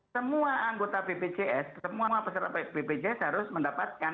semua anggota bpjs semua peserta bpjs harus mendapatkan